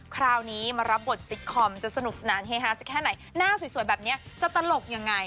คราวนี้มารับบทซิกคอมจะสนุกสนานเฮฮาสักแค่ไหนหน้าสวยแบบนี้จะตลกยังไง